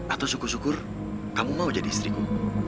atau syukur syukur kamu mau jadi istriku